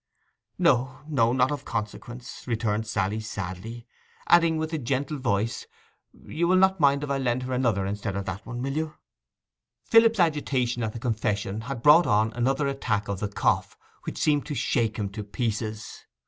'No—no; not of consequence,' returned Sally sadly, adding in a gentle voice, 'You will not mind if I lend her another instead of that one, will you?' Philip's agitation at the confession had brought on another attack of the cough, which seemed to shake him to pieces.